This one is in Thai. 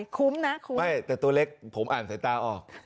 คุ้มนะก็ไม่แต่คิดเรื่องสถานทุกตัวเนอะ